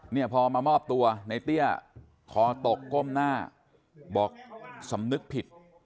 เนี่ยพอมามอบตัวในเตี้ยคอตกก้มหน้าบอกสำนึกผิด